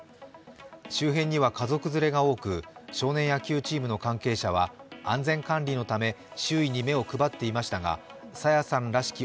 周辺には家族連れが多く、少年野球チームの関係者は安全管理のため、周囲に目を配っていましたが朝芽さんらしき